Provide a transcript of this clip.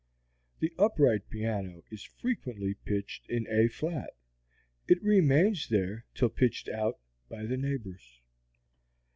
The upright piano is frequently pitched in A flat. It remains there till pitched out by the neighbors.